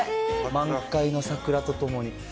満開の桜とともに。